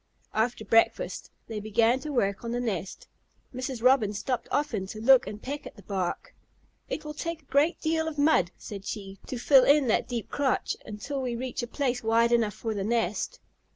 After breakfast they began to work on the nest. Mrs. Robin stopped often to look and peck at the bark. "It will take a great deal of mud," said she, "to fill in that deep crotch until we reach a place wide enough for the nest."